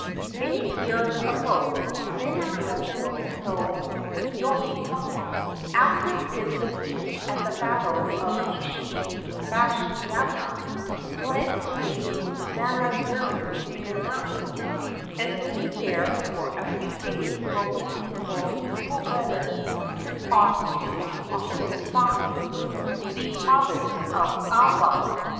Many years ago Minamoto no Yoritomo, after his defeat at the battle of Ishibashiyama, fled to Manazuru minato, and stayed there for a few days while waiting for favourable weather to cross to the opposite side, the province of Awa.